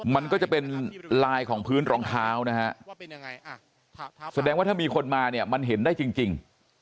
มันก็จะเป็นลายของพื้นรองเท้านะฮะแสดงว่าถ้ามีคนมาเนี่ยมันเห็นได้จริง